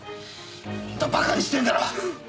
本当は馬鹿にしてんだろ。